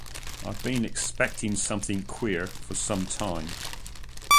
I’ve been expecting something queer for some time.